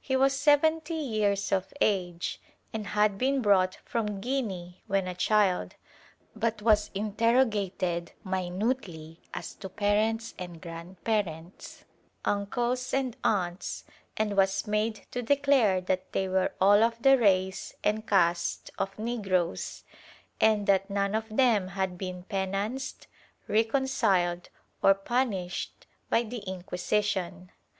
He was seventy years of age and had been brought from Guinea when a child, but was interrogated minutely as to parents and grandparents, uncles and aunts, and was made to declare that they were all of the race and caste of negroes, and that none of them had been penanced, reconciled or pimished by the Inquisition.